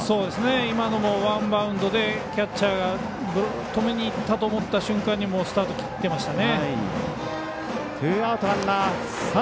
今のもワンバウンドでキャッチャーが止めにいったと思った瞬間にスタートきってましたね。